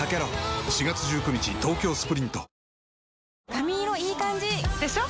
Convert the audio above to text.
髪色いい感じ！でしょ？